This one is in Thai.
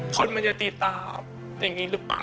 คนมันจะตีตาอย่างนี้หรือเปล่า